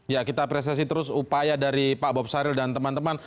ya kita apresiasi terus upaya dari pak bob saril dan teman teman